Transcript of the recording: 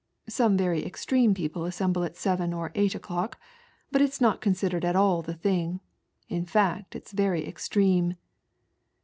Some very extreme people assemble at seven or eight o'clock, but it's not considered at all the thing. In fact it's very extreme."